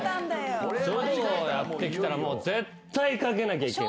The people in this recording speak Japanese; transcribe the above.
書道やってきたら絶対書けなきゃいけない。